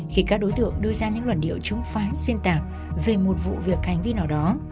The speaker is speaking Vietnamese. khi các đối tượng đưa ra những luận điệu chúng phán xuyên tạc về một vụ việc hành vi nào đó